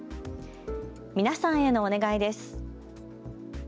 皆さんへのお願いです。